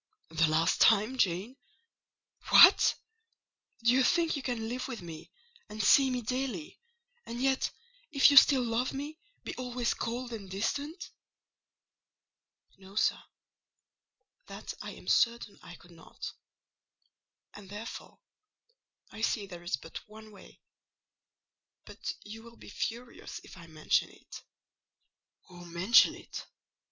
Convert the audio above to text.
"The last time, Jane! What! do you think you can live with me, and see me daily, and yet, if you still love me, be always cold and distant?" "No, sir; that I am certain I could not; and therefore I see there is but one way: but you will be furious if I mention it." "Oh, mention it!